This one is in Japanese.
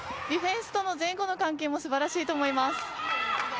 ディフェンスとの前後の関係も素晴らしいと思います。